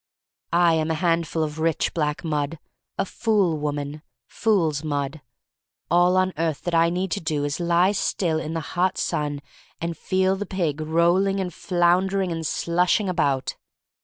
I am a handful of rich black mud — a fool woman, fool's mud. All on earth that I need to do is to lie still in the hot sun and feel the pig roll ing and floundering and slushing about.